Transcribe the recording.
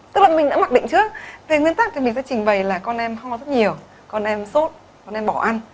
tức là mình đã mặc định trước về nguyên tắc thì mình sẽ trình bày là con em ho rất nhiều con em sốt con em bỏ ăn